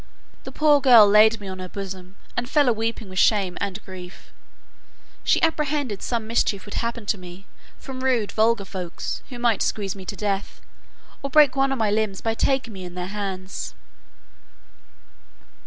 The poor girl laid me on her bosom, and fell a weeping with shame and grief. She apprehended some mischief would happen to me from rude vulgar folks, who might squeeze me to death, or break one of my limbs by taking me in their hands.